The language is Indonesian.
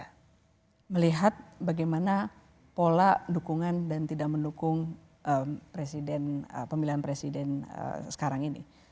karena saya tidak melihat bagaimana pola dukungan dan tidak mendukung pemilihan presiden sekarang ini